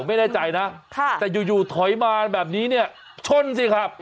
ไม่แน่ใจนะแต่อยู่ถอยมาแบบนี้เนี่ยชนสิครับ